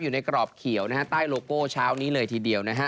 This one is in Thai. อยู่ในกรอบเขียวนะฮะใต้โลโก้เช้านี้เลยทีเดียวนะฮะ